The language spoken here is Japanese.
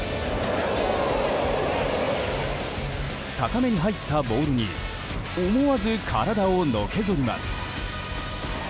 高めに入ったボールに思わず体をのけぞります。